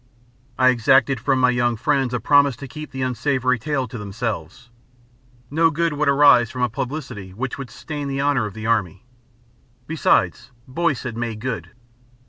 I exacted from my young friends a promise to keep the unsavoury tale to themselves. No good would arise from a publicity which would stain the honour of the army. Besides, Boyce had made good.